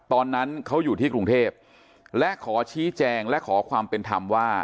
ตอนนั้นเขาอยู่ที่กรุงเทพและขอชี้แจงและขอความเป็นธรรมว่า